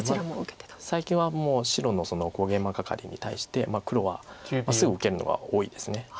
最近はもう白の小ゲイマガカリに対して黒はすぐ受けるのが多いです。